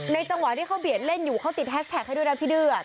จังหวะที่เขาเบียดเล่นอยู่เขาติดแฮชแท็กให้ด้วยนะพี่ดื้อ